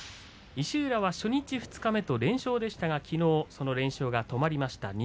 石浦は初日二日目と連勝でしたがきのうその連勝が止まりました。